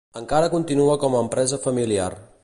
Encara continua com a empresa familiar.